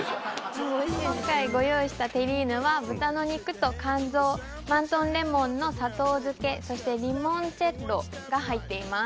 今回ご用意したテリーヌは豚の肉と肝臓マントンレモンの砂糖漬けそしてレモンチェッロが入っています